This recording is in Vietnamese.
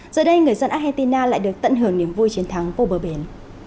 giờ đây người dân argentina lại được tận hưởng niềm vui chiến thắng vô bờ biển